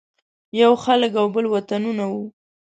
یو خلک او بل وطنونه وو.